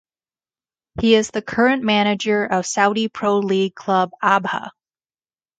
He is the current manager of Saudi Pro League club Abha.